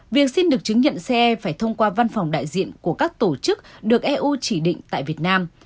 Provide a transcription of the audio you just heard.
việc xin được chứng nhận ce phải thông qua văn phòng đại diện của các tổ chức được eu chỉ định tại việt nam